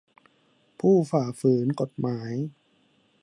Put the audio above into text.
ผู้ฝ่าฝืนกฎหมาย